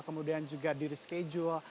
kemudian juga di reschedule